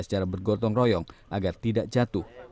mereka harus bergortong royong agar tidak jatuh